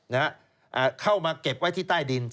เพิ่มเข้ามากลับเก็บไว้ที่ใต้ดิน